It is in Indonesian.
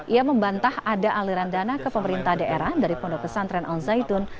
ia membantah ada aliran dana ke pemerintah daerah dari pondok pesantren al zaitun